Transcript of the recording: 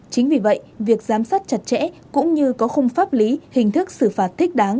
chính vì vậy việc giám sát chặt chẽ cũng như có khung pháp lý hình thức xử phạt thích đáng